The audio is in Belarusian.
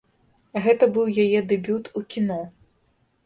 Гэта быў яе дэбют у кіно.